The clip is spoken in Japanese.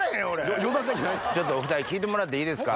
ちょっとお２人聞いてもらっていいですか？